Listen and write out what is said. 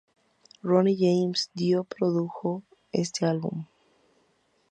Ronnie James Dio produjo este álbum.